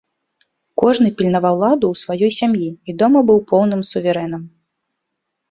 Кожны пільнаваў ладу ў сваёй сям'і і дома быў поўным суверэнам.